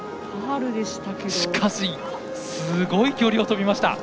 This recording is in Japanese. しかしすごい距離を跳びました。